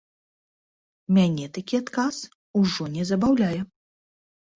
Мяне такі адказ ужо не забаўляе.